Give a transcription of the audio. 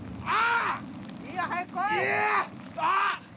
ああ！